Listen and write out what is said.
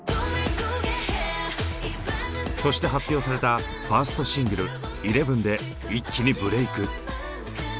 そして発表されたファーストシングル「ＥＬＥＶＥＮ」で一気にブレーク。